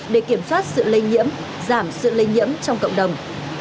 để kiểm soát sự lây nhiễm giảm sự lây nhiễm trong cộng đồng